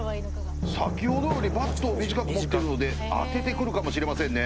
先ほどよりバットを短く持ってるので当ててくるかもしれませんね